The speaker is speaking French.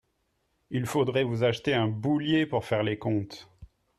Il faudrait vous acheter un boulier pour faire les comptes